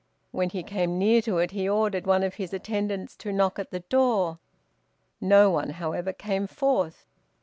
When he came near to it he ordered one of his attendants to knock at the door. No one, however, came forth.